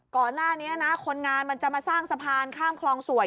ก่อนหน้านี้นะคนงานมันจะมาสร้างสะพานข้ามคลองสวย